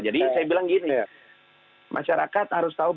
jadi saya bilang gini masyarakat harus tahu bahwa ketersinggungan kita